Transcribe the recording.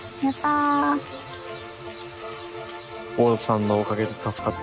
ウォルさんのおかげで助かった。